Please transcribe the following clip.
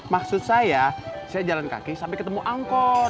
maksud saya saya jalan kaki sampai ketemu angkot